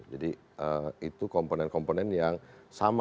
jadi itu komponen komponen yang sama